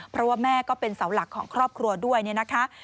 เพราะว่าแม่ก็เป็นเสาหลักของครอบครัวด้วยเนี่ยนะคะ